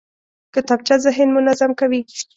کتابچه ذهن منظم کوي